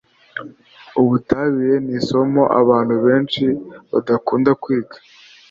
ubutabire ni isomo abantu benshi badakunda kwiga